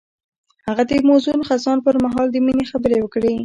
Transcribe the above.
هغه د موزون خزان پر مهال د مینې خبرې وکړې.